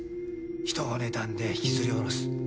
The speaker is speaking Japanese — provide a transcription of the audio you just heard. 人をねたんで引きずり下ろす。